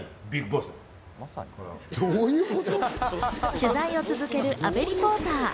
取材を続ける阿部リポーター。